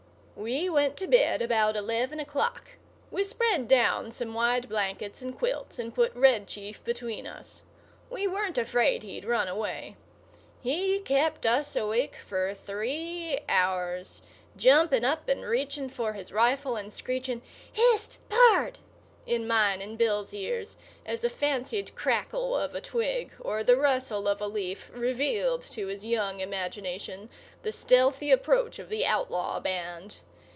We went to bed about eleven o'clock. We spread down some wide blankets and quilts and put Red Chief between us. We weren't afraid he'd run away. He kept us awake for three hours, jumping up and reaching for his rifle and screeching: "Hist! pard," in mine and Bill's ears, as the fancied crackle of a twig or the rustle of a leaf revealed to his young imagination the stealthy approach of the outlaw band.